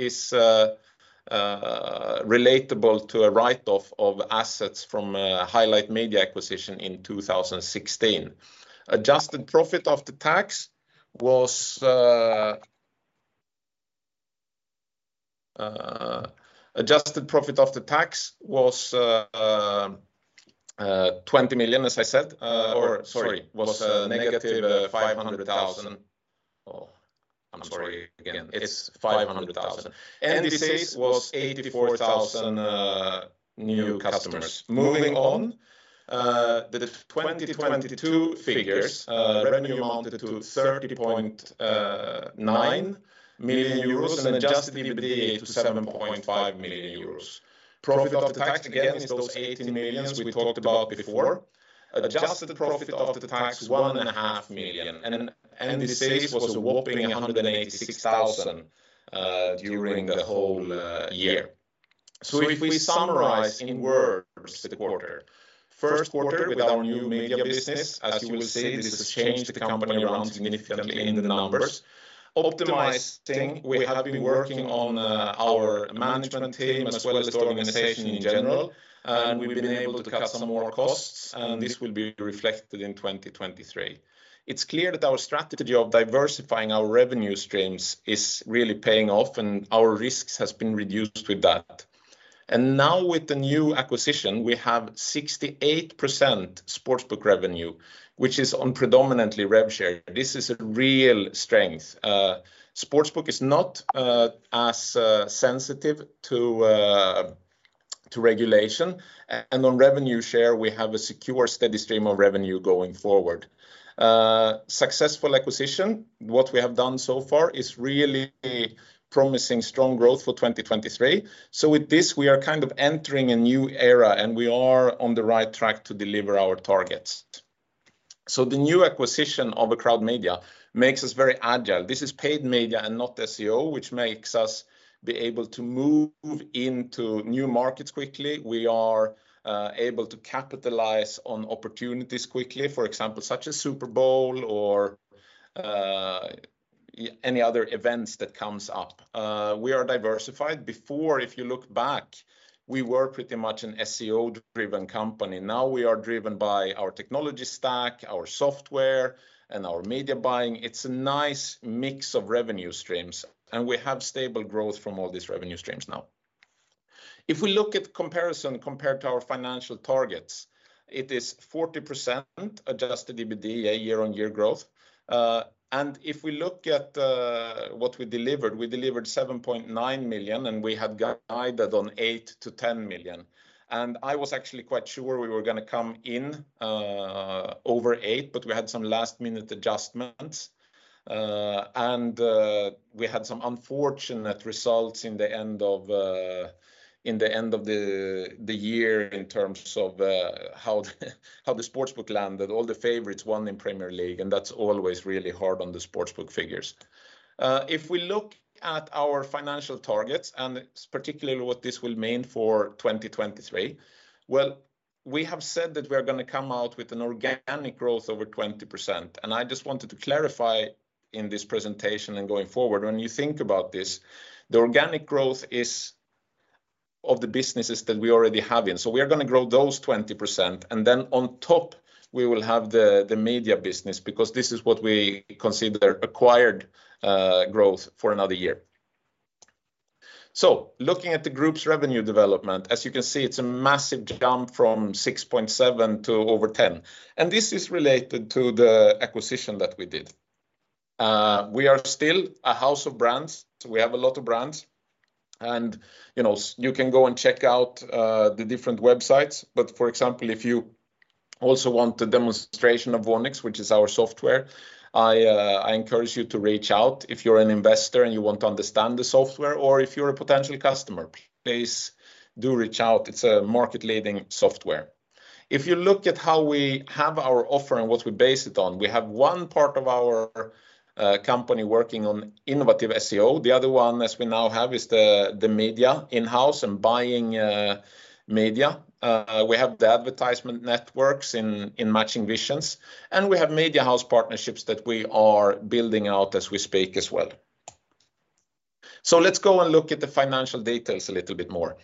Is relatable to a write-off of assets from Highlight Media acquisition in 2016. Adjusted profit of the tax was EUR 20 million, as I said, or sorry, was negative 500,000. I'm sorry again. It's 500,000. NDCS was 84,000 new customers. Moving on, the 2022 figures, revenue amounted to 30.9 million euros and adjusted EBITDA to 7.5 million euros. Profit of the tax again is those 18 million we talked about before. Adjusted profit of the tax, 1.5 million, and NDCS was a whopping 186,000 during the whole year. If we summarize in words the quarter, first quarter with our new media business, as you will see, this has changed the company around significantly in the numbers. Optimizing, we have been working on our management team as well as the organization in general, and we've been able to cut some more costs, and this will be reflected in 2023. It's clear that our strategy of diversifying our revenue streams is really paying off, and our risks has been reduced with that. Now with the new acquisition, we have 68% sportsbook revenue, which is on predominantly rev share. This is a real strength. Sportsbook is not as sensitive to regulation, and on revenue share, we have a secure steady stream of revenue going forward. Successful acquisition, what we have done so far is really promising strong growth for 2023. With this, we are kind of entering a new era, and we are on the right track to deliver our targets. The new acquisition of Acroud Media makes us very agile. This is paid media and not SEO, which makes us be able to move into new markets quickly. We are able to capitalize on opportunities quickly, for example, such as Super Bowl or any other events that comes up. We are diversified. Before, if you look back, we were pretty much an SEO-driven company. Now we are driven by our technology stack, our software, and our media buying. It's a nice mix of revenue streams, and we have stable growth from all these revenue streams now. If we look at comparison compared to our financial targets, it is 40% adjusted EBITDA year-on-year growth. If we look at what we delivered, we delivered 7.9 million, and we had guided on 8 million-10 million. I was actually quite sure we were gonna come in over eight, but we had some last-minute adjustments. We had some unfortunate results in the end of the year in terms of how the sportsbook landed. All the favorites won in Premier League. That's always really hard on the sportsbook figures. If we look at our financial targets, particularly what this will mean for 2023, well, we have said that we're gonna come out with an organic growth over 20%. I just wanted to clarify in this presentation and going forward, when you think about this, the organic growth is of the businesses that we already have in. We are gonna grow those 20%, and then on top, we will have the media business because this is what we consider acquired growth for another year. Looking at the group's revenue development, as you can see, it's a massive jump from 6.7 to over 10, and this is related to the acquisition that we did. We are still a house of brands. We have a lot of brands, and, you know, you can go and check out the different websites. For example, if you also want a demonstration of Voonix, which is our software, I encourage you to reach out if you're an investor and you want to understand the software, or if you're a potential customer, please do reach out. It's a market-leading software. If you look at how we have our offer and what we base it on, we have one part of our company working on innovative SEO. The other one, as we now have, is the media in-house and buying media. We have the advertisement networks in Matching Visions, and we have media house partnerships that we are building out as we speak as well. Let's go and look at the financial details a little bit more.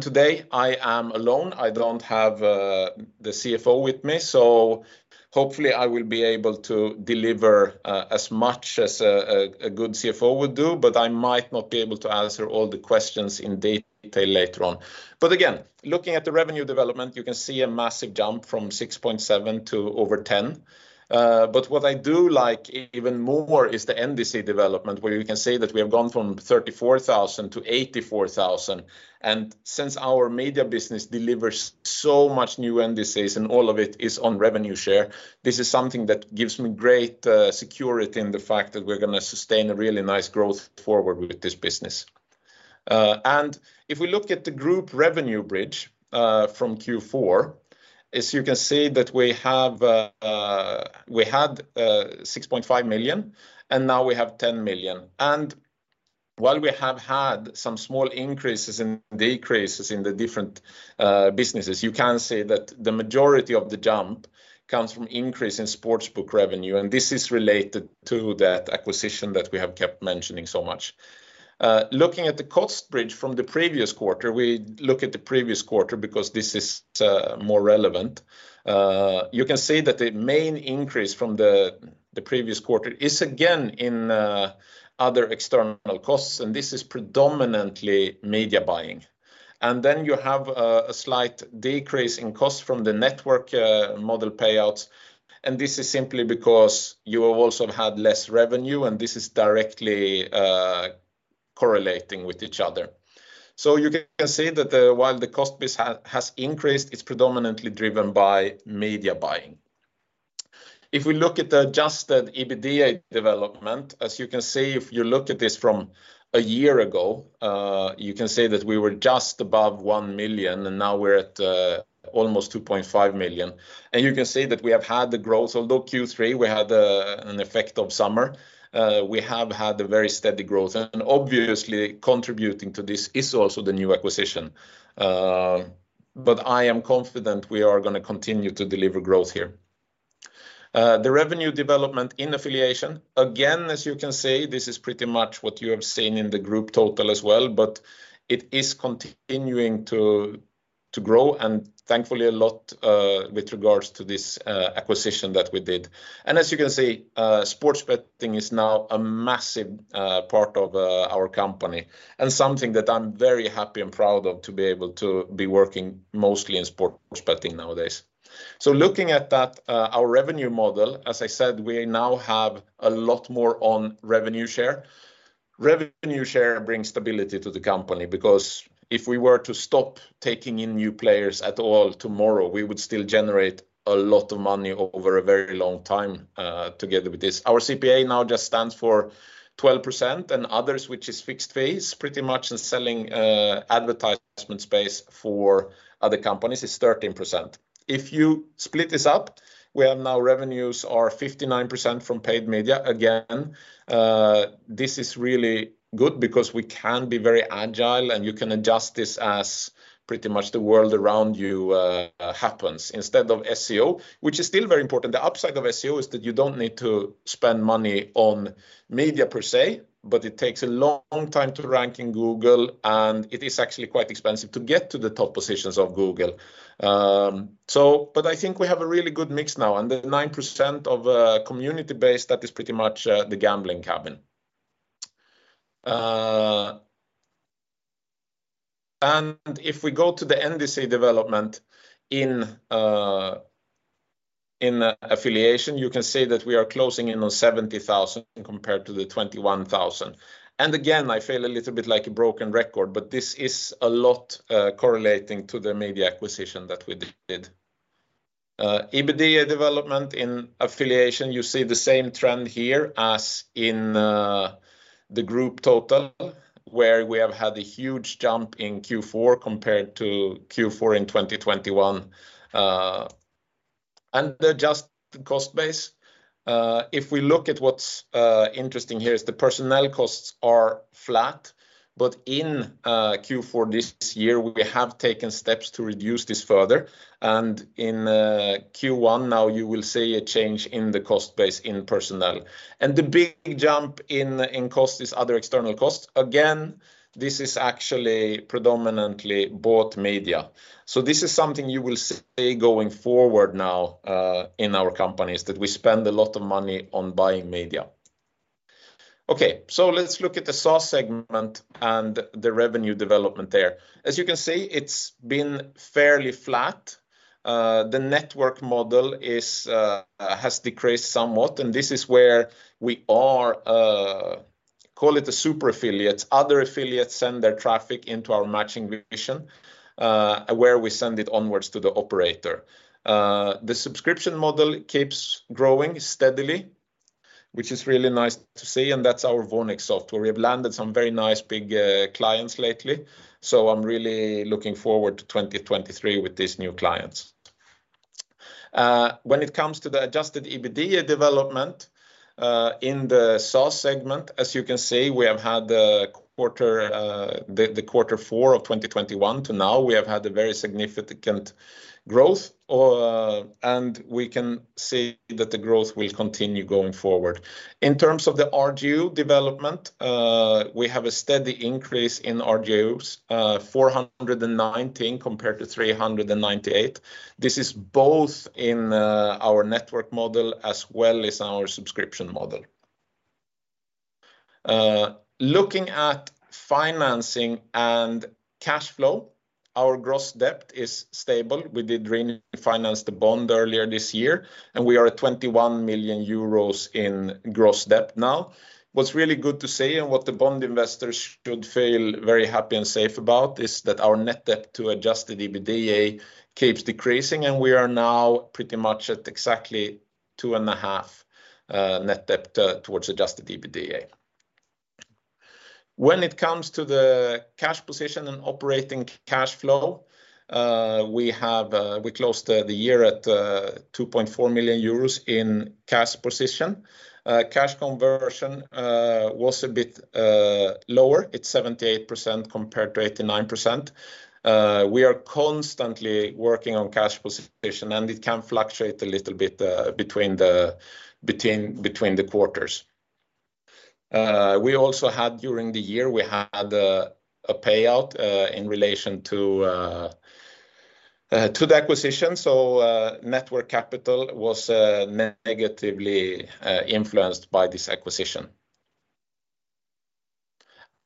Today I am alone. I don't have the CFO with me, so hopefully I will be able to deliver as much as a good CFO would do, but I might not be able to answer all the questions in detail later on. Again, looking at the revenue development, you can see a massive jump from 6.7 million to over 10 million. What I do like even more is the NDC development, where you can see that we have gone from 34,000 to 84,000 and since our media business delivers so much new NDCs, and all of it is on revenue share, this is something that gives me great security in the fact that we're gonna sustain a really nice growth forward with this business. If we look at the group revenue bridge from Q4, as you can see that we have, we had 6.5 million, and now we have 10 million. While we have had some small increases and decreases in the different businesses, you can see that the majority of the jump comes from increase in sports book revenue, and this is related to that acquisition that we have kept mentioning so much. Looking at the cost bridge from the previous quarter, we look at the previous quarter because this is more relevant. You can see that the main increase from the previous quarter is again in other external costs, and this is predominantly media buying. Then you have a slight decrease in cost from the network model payouts, and this is simply because you have also had less revenue, and this is directly correlating with each other. You can see that while the cost base has increased, it's predominantly driven by media buying. If we look at the adjusted EBITDA development, as you can see, if you look at this from a year ago, you can see that we were just above 1 million, and now we're at almost 2.5 million. You can see that we have had the growth. Although Q3, we had an effect of summer, we have had a very steady growth. Obviously, contributing to this is also the new acquisition. But I am confident we are gonna continue to deliver growth here. The revenue development in affiliation, again, as you can see, this is pretty much what you have seen in the group total as well, but it is continuing to grow and thankfully a lot with regards to this acquisition that we did. As you can see, sports betting is now a massive part of our company, and something that I'm very happy and proud of to be able to be working mostly in sports betting nowadays. Looking at that, our revenue model, as I said, we now have a lot more on revenue share. Revenue share brings stability to the company because if we were to stop taking in new players at all tomorrow, we would still generate a lot of money over a very long time, together with this. Our CPA now just stands for 12% and others, which is fixed phase, pretty much in selling advertisement space for other companies is 13%. If you split this up, we have now revenues are 59% from paid media. Again, this is really good because we can be very agile, and you can adjust this as pretty much the world around you happens instead of SEO, which is still very important. The upside of SEO is that you don't need to spend money on media per se, but it takes a long time to rank in Google, and it is actually quite expensive to get to the top positions of Google. I think we have a really good mix now. The 9% of community base, that is pretty much The Gambling Cabin. If we go to the NDC development in affiliation, you can see that we are closing in on 70,000 compared to the 21,000. Again, I feel a little bit like a broken record, but this is a lot correlating to the media acquisition that we did. EBITDA development in affiliation, you see the same trend here as in the group total, where we have had a huge jump in Q4 compared to Q4 in 2021. The adjusted cost base, if we look at what's interesting here is the personnel costs are flat. In Q4 this year, we have taken steps to reduce this further. In Q1 now you will see a change in the cost base in personnel. The big jump in cost is other external costs. Again, this is actually predominantly bought media. This is something you will see going forward now, in our companies, that we spend a lot of money on buying media. Let's look at the SaaS segment and the revenue development there. As you can see, it's been fairly flat. The network model is has decreased somewhat, and this is where we are call it the super affiliates. Other affiliates send their traffic into our Matching Visions, where we send it onwards to the operator. The subscription model keeps growing steadily, which is really nice to see, and that's our Voonix software. We have landed some very nice big clients lately, so I'm really looking forward to 2023 with these new clients. When it comes to the adjusted EBITDA development, in the SaaS segment, as you can see, we have had the quarter, the Q4 of 2021 to now, we have had a very significant growth, and we can see that the growth will continue going forward. In terms of the RGU development, we have a steady increase in RGUs, 419 compared to 398. This is both in our network model as well as our subscription model. Looking at financing and cash flow, our gross debt is stable. We did refinance the bond earlier this year, and we are at 21 million euros in gross debt now. What's really good to say, and what the bond investors should feel very happy and safe about, is that our net debt to adjusted EBITDA keeps decreasing, and we are now pretty much at exactly 2.5 net debt towards adjusted EBITDA. When it comes to the cash position and operating cash flow, we have, we closed the year at 2.4 million euros in cash position. Cash conversion was a bit lower. It's 78% compared to 89%. We are constantly working on cash position, and it can fluctuate a little bit between the quarters. We also had during the year, we had a payout in relation to the acquisition. Network capital was negatively influenced by this acquisition.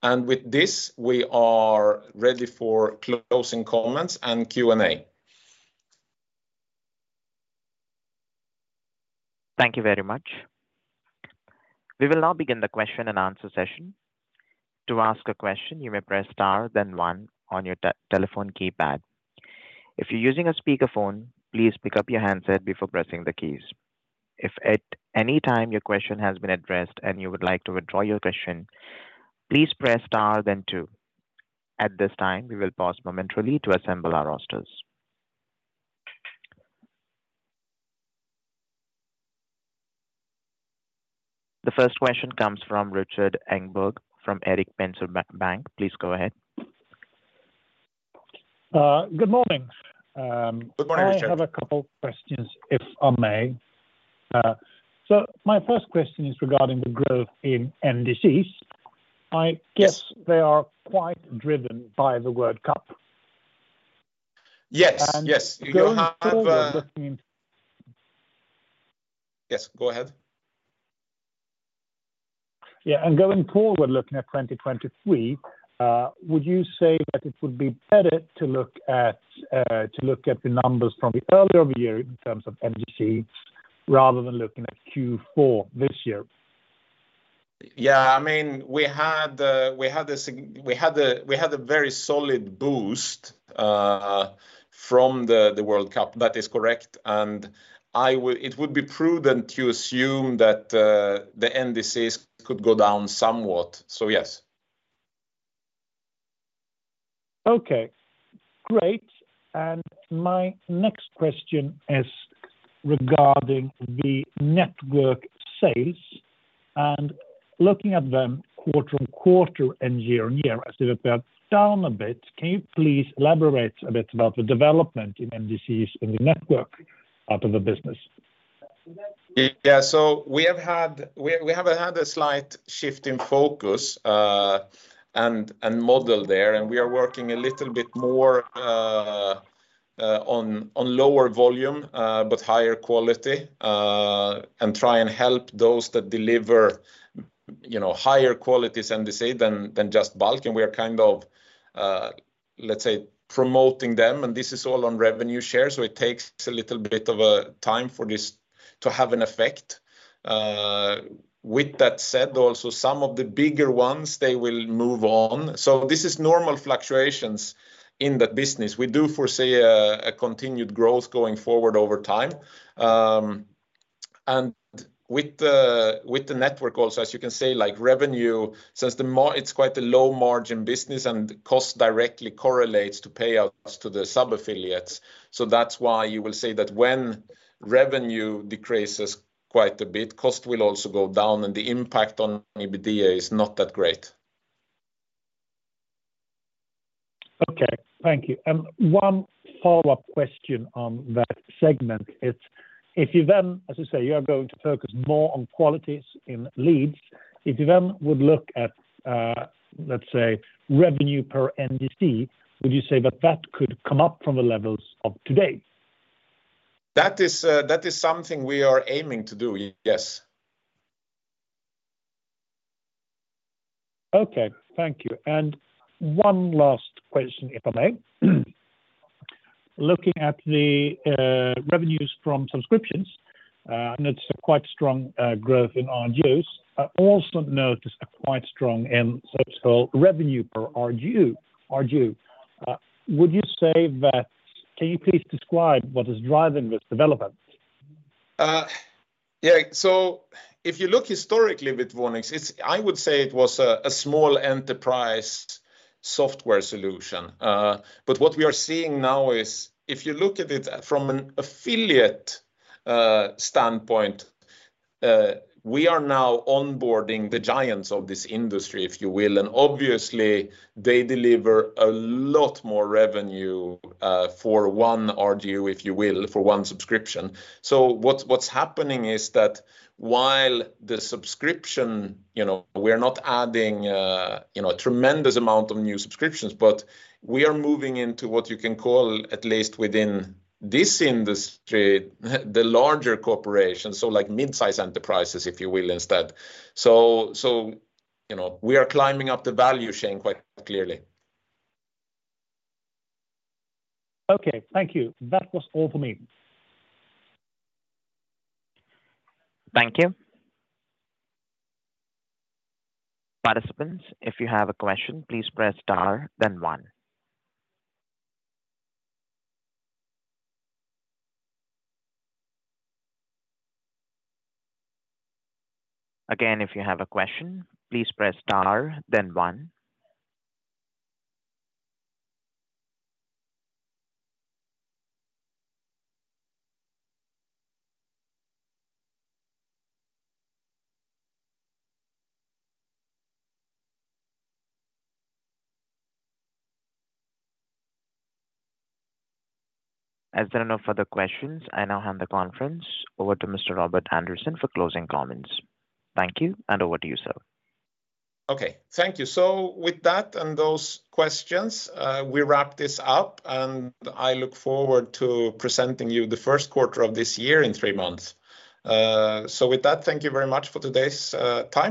With this, we are ready for closing comments and Q&A. Thank you very much. We will now begin the question and answer session. To ask a question, you may press star then one on your telephone keypad. If you're using a speaker phone, please pick up your handset before pressing the keys. If at any time your question has been addressed and you would like to withdraw your question, please press star then two. At this time, we will pause momentarily to assemble our rosters. The first question comes from Rikard Engberg from Erik Penser Bank. Please go ahead. Good morning. Good morning, Rikard. I have a couple questions, if I may. My first question is regarding the growth in NDCs. Yes... they are quite driven by the World Cup. Yes. Yes. We have. Going forward. Yes, go ahead. Going forward, looking at 2023, would you say that it would be better to look at the numbers from the earlier of the year in terms of NDCs rather than looking at Q4 this year? Yeah. I mean, we had the, we had a very solid boost from the World Cup. That is correct, it would be prudent to assume that the NDCs could go down somewhat. Yes. Okay, great. My next question is regarding the network sales. Looking at them quarter-on-quarter and year-on-year as it went down a bit, can you please elaborate a bit about the development in NDCs in the network out of the business? We have had a slight shift in focus, and model there, and we are working a little bit more on lower volume, but higher quality, and try and help those that deliver, you know, higher quality NDC than just bulk. We are kind of, let's say promoting them, and this is all on revenue share, so it takes a little bit of a time for this to have an effect. With that said, also, some of the bigger ones, they will move on. This is normal fluctuations in the business. We do foresee a continued growth going forward over time. With the network also, as you can say, like revenue, since it's quite a low margin business and cost directly correlates to payouts to the sub-affiliates. That's why you will say that when revenue decreases quite a bit, cost will also go down and the impact on EBITDA is not that great. Okay. Thank you. One follow-up question on that segment. It's as you say, you are going to focus more on qualities in leads. If you then would look at, let's say, revenue per NDC, would you say that that could come up from the levels of today? That is something we are aiming to do. Yes. Okay. Thank you. One last question, if I may. Looking at the revenues from subscriptions, and it's a quite strong growth in RGUs. I also notice a quite strong and social revenue per RGU. Can you please describe what is driving this development? Yeah. If you look historically with Voonix, it's, I would say it was a small enterprise software solution. What we are seeing now is if you look at it from an affiliate standpoint, we are now onboarding the giants of this industry, if you will. Obviously they deliver a lot more revenue for one RGU, if you will, for one subscription. What's happening is that while the subscription, you know, we're not adding, you know, a tremendous amount of new subscriptions, but we are moving into what you can call, at least within this industry, the larger corporations, so like mid-size enterprises, if you will, instead. You know, we are climbing up the value chain quite clearly. Okay. Thank you. That was all for me. Thank you. Participants, if you have a question, please press star then one. Again, if you have a question, please press star then one. As there are no further questions, I now hand the conference over to Mr. Robert Andersson for closing comments. Thank you, and over to you, sir. Okay. Thank you. With that and those questions, we wrap this up, and I look forward to presenting you the first quarter of this year in three months. With that, thank you very much for today's time.